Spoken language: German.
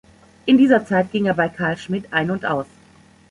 In dieser Zeit ging er bei Carl Schmitt ein und aus.